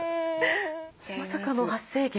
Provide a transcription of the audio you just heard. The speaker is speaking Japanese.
まさかの発生源。